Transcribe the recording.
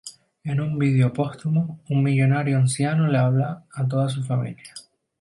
En un vídeo póstumo, un millonario anciano le habla a toda su familia.